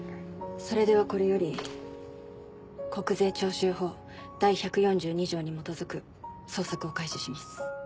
それではこれより国税徴収法第１４２条に基づく捜索を開始します